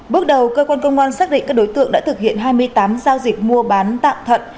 bước đầu cơ quan công an xác định các đối tượng đã thực hiện hai mươi tám giao dịch mua bán tạm thận